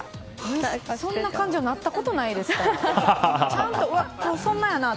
そんな感情なったことないですから。